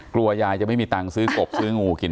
กลัวยายจะไม่มีตังค์ซื้อกบซื้องูกิน